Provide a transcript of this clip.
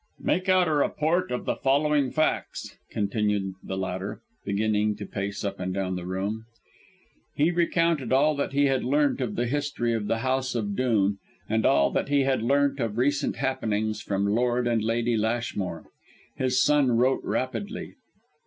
"Make out a report of the following facts," continued the latter, beginning to pace up and down the room. He recounted all that he had learnt of the history of the house of Dhoon and all that he had learnt of recent happenings from Lord and Lady Lashmore. His son wrote rapidly.